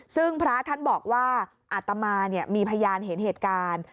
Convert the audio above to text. ซึ่งพระท่านบอกว่าอาตมามีพยานเห็นเหตุการณ์